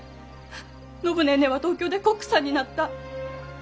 暢ネーネーは東京でコックさんになった。